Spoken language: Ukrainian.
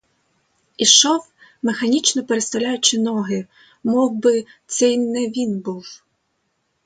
Ішов, механічно переставляючи ноги, мовби це й не він був.